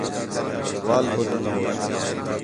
وال دھوتیم ہوچ